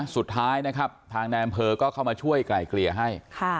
สุดท้ายนะครับทางแนมเพลิงก็เข้ามาช่วยไกล่เคลียร์ให้